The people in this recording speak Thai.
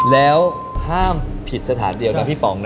แล้วห้ามผิดสถานเดียวกับพี่ป๋องนะ